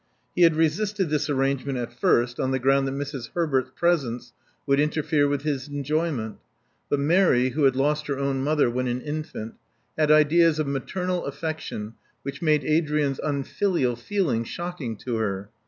He had resisted this arrangement at first on the ground that Mrs. Herbert's presence would interfere with his enjoyment; but Mary, who had lost her own mother when an infant, had ideas of maternal affection which made Adrian's unfilial feeling shock ing to her.